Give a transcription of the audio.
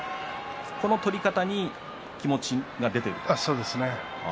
この取り方に気持ちが出ているということですね。